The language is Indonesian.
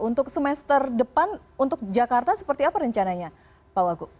untuk semester depan untuk jakarta seperti apa rencananya pak wagub